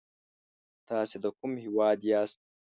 تاسې د کوم هيواد ياست؟